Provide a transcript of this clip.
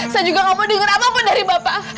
saya juga gak mau denger apa apa dari bapak